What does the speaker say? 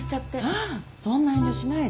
ああそんな遠慮しないで。